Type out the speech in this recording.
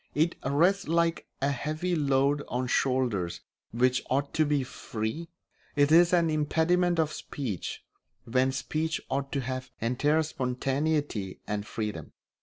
It rests like a heavy load on shoulders which ought to be free; it is an impediment of speech when speech ought to have entire spontaneity, and freedom.